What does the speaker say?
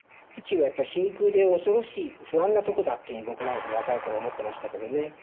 宇宙はやっぱ真空で恐ろしい不安なとこだっていう僕なんか若い頃思ってましたけどね。